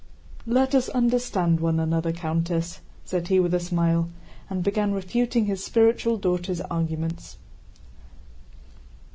"Let us understand one another, Countess," said he with a smile, and began refuting his spiritual daughter's arguments.